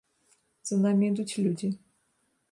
За намі ідуць людзі.